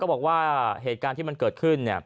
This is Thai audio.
บอกว่าเหตุการณ์ที่มันเกิดขึ้นเนี่ย